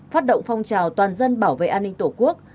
phát động phong trào toàn dân bảo vệ an ninh tổ quốc